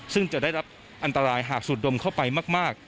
ซึ่งจะได้รับอันตรายหากสูดดมเข้าไปมาก